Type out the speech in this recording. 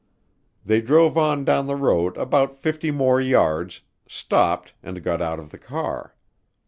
They drove on down the road about 50 more yards, stopped, and got out of the car.